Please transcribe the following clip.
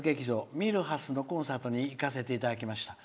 ミルハスのコンサートに行かせていただきました」。